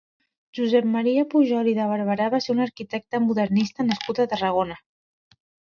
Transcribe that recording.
Josep Maria Pujol i de Barberà va ser un arquitecte modernista nascut a Tarragona.